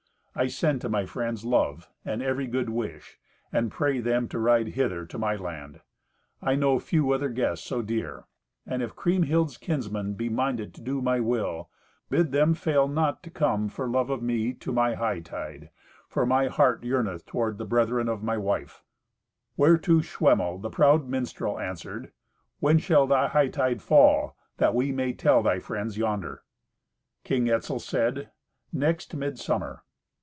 I send to my friends love and every good wish, and pray them to ride hither to my land. I know few other guests so dear. And if Kriemhild's kinsmen be minded to do my will, bid them fail not to come, for love of me, to my hightide, for my heart yearneth toward the brethren of my wife." Whereto Schwemmel, the proud minstrel, answered, "When shall thy hightide fall, that we may tell thy friends yonder?" King Etzel said, "Next midsummer."